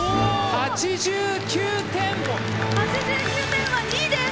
８９点は２位です。